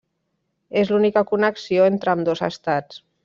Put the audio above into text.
És l'única connexió entre ambdós estats.